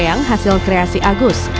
yang hasil kreasi agus